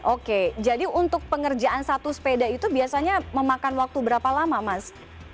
oke jadi untuk pengerjaan satu sepeda itu biasanya memakan waktu berapa lama mas